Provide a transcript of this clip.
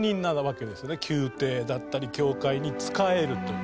宮廷だったり教会に仕えるという。